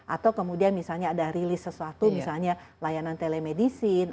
atau kemudian misalnya ada rilis sesuatu misalnya layanan telemedicine